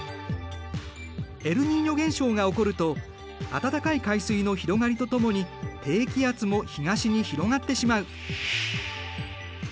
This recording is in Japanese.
エルニーニョ現象が起こると温かい海水の広がりとともに低気圧も東に広がってしまう。